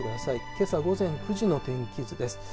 けさ午前９時の天気図です。